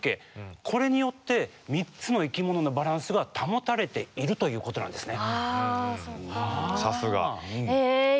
これによって３つの生きもののバランスが保たれているということなんですね。